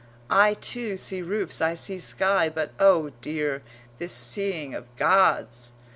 I, too, see roofs, I see sky; but, oh, dear this seeing of Gods!